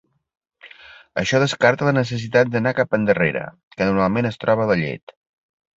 Això descarta la necessitat d'anar cap endarrere, que normalment es troba la llet.